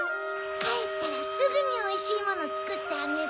かえったらすぐにおいしいものつくってあげるね。